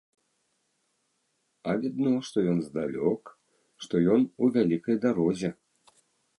А відно, што ён здалёк, што ён у вялікай дарозе.